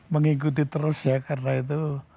mengikuti terus ya karena itu